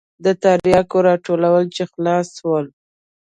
د ترياکو راټولول چې خلاص سول.